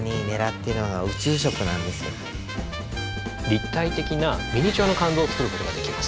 立体的なミニチュアの肝臓を作ることができます。